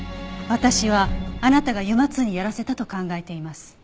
私はあなたがＵＭＡ−Ⅱにやらせたと考えています。